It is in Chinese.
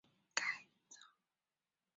他实施了进一步改造城市的政策。